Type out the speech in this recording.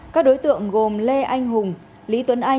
các đối tượng gồm lê anh hùng lý tuấn huy và thẳng